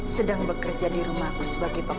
sedang bekerja di rumah aku sebagai pembantu